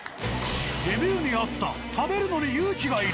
レビューにあった「食べるのに勇気がいる」